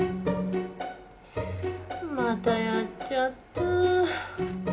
またやっちゃった。